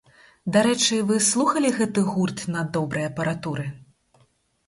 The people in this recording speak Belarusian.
Дарэчы, вы слухалі гэты гурт на добрай апаратуры?